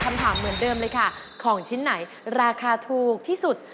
คำถามเหมือนเดิมเลยค่ะของชิ้นไหนราคาถูกที่สุด